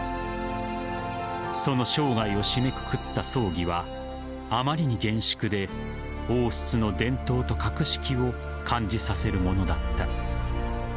その生涯を締めくくった葬儀はあまりに厳粛で王室の伝統と格式を感じさせるものだった。